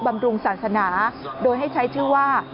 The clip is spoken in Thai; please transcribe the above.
บำรุงศาสนาโดยให้ใช้ชื่อว่า